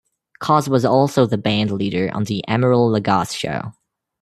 Koz was also the bandleader on "The Emeril Lagasse Show".